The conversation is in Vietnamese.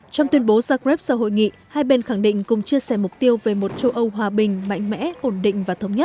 trong tuyên bố zagreb sau hội nghị hai bên khẳng định cùng chia sẻ mục tiêu về một châu âu hòa bình mạnh mẽ ổn định